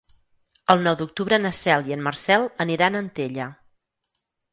El nou d'octubre na Cel i en Marcel aniran a Antella.